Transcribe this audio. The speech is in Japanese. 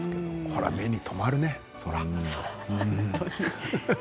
これは目に留まるねそりゃ。